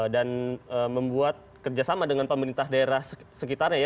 dan membuat kerjasama dengan pemerintah daerah sekitarnya ya